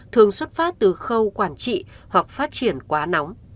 thường xuất phát từ khâu quản trị hoặc phát triển quá nóng